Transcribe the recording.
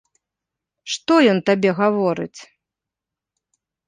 Што ён табе гаворыць?